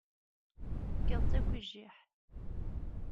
Tefkiḍ-tt akk i jjiḥ.